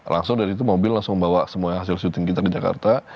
langsung dari itu mobil langsung bawa semua hasil syuting kita ke jakarta